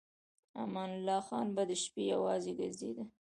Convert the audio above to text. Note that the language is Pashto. امان الله خان به د شپې یوازې ګرځېده.